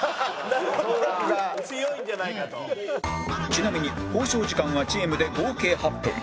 ちなみに交渉時間はチームで合計８分